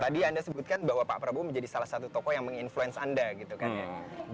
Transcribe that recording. tadi anda sebutkan bahwa pak prabowo menjadi salah satu tokoh yang menginfluence anda gitu kan